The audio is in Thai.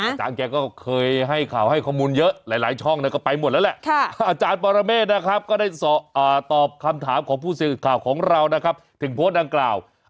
อาจารย์แกก็เคยให้ข่าวให้ข้อมูลเยอะ